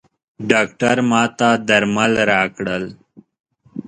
ډاکټر ماته درمل راکړل.